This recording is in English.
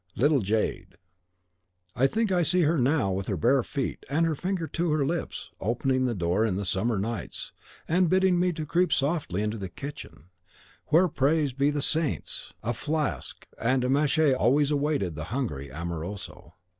Little jade! I think I see her now with her bare feet, and her finger to her lips, opening the door in the summer nights, and bidding me creep softly into the kitchen, where, praised be the saints! a flask and a manchet always awaited the hungry amoroso.